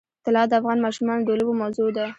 طلا د افغان ماشومانو د لوبو موضوع ده.